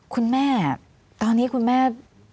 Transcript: คุณแม่ตอนนี้คุณแม่